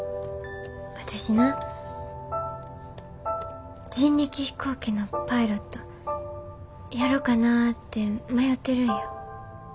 私な人力飛行機のパイロットやろかなて迷てるんや。